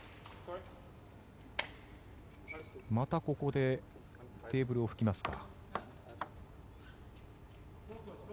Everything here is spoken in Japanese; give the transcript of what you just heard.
またここでテーブルを拭きますか。